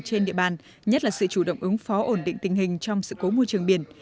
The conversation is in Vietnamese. trên địa bàn nhất là sự chủ động ứng phó ổn định tình hình trong sự cố môi trường biển